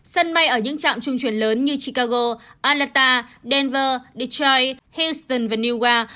sân bay ở những trạm trung chuyển lớn như chicago atlanta denver detroit houston và new york